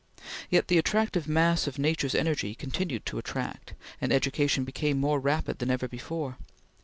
Yet the attractive mass of nature's energy continued to attract, and education became more rapid than ever before.